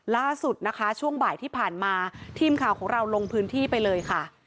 ล่าสุดนะคะช่วงบ่ายที่ผ่านมาทีมข่าวของเราลงพื้นที่ไปเลยค่ะ